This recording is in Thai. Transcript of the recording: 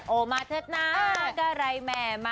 โอ้มาเถิดนะกะไรแหม่มะ